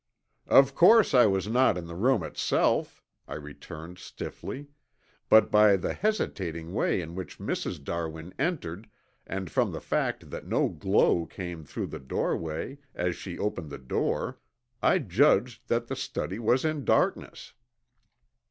"Of course I was not in the room itself," I returned stiffly, "but by the hesitating way in which Mrs. Darwin entered and from the fact that no glow came through the doorway as she opened the door, I judged that the study was in darkness."